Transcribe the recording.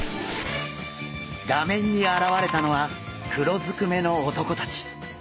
画面に現れたのは黒ずくめの男たち。